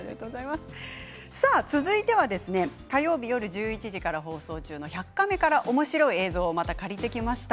続いては火曜日夜１１時から放送中の「１００カメ」からまたおもしろい映像を借りてきました。